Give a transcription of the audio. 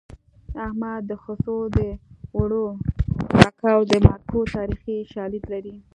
احمد د خسو د اوړو ککو د مرکو تاریخي شالید لري